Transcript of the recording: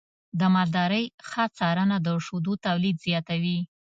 د مالدارۍ ښه څارنه د شیدو تولید زیاتوي.